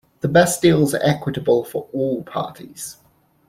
The best deals are equitable for all parties.